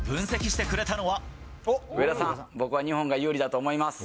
上田さん、僕は日本が有利だと思います。